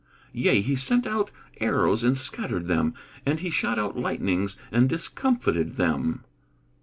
[Verse: "Yea, he sent out his arrows, and scattered them; and he shot out lightnings and discomfited them."